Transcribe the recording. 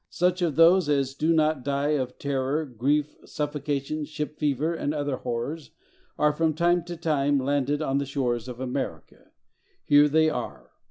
Such of those as do not die of terror, grief, suffocation, ship fever, and other horrors, are, from time to time, landed on the shores of America. Here they are.